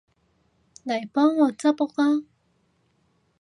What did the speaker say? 嚟幫我執屋吖